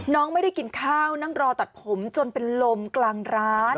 น้องไม่ได้กินข้าวนั่งรอตัดผมจนเป็นลมกลางร้าน